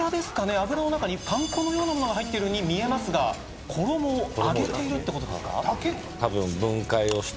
油の中にパン粉のようなものが入っているように見えますが衣を揚げているってことですか？